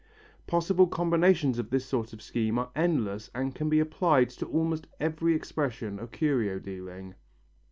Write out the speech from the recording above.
Possible combinations of this sort of scheme are endless and can be applied to almost every expression of curio dealing.